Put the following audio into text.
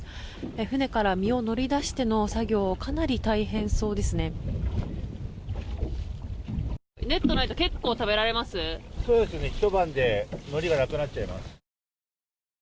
船から身を乗り出しての作業かなり大変そうですね。